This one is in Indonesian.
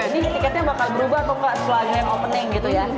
ini tiketnya bakal berubah atau enggak setelah game opening gitu ya